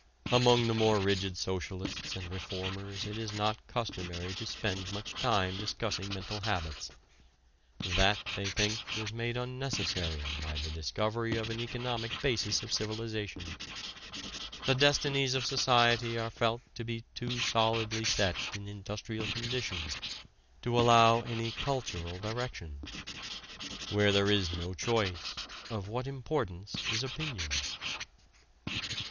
Among the more rigid socialists and reformers it is not customary to spend much time discussing mental habits. That, they think, was made unnecessary by the discovery of an economic basis of civilization. The destinies of society are felt to be too solidly set in industrial conditions to allow any cultural direction. Where there is no choice, of what importance is opinion?